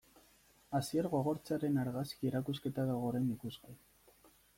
Asier Gogortzaren argazki erakusketa dago orain ikusgai.